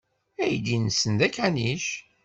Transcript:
Aydi-nsen d akanic.